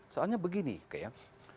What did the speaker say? soalnya begini kayak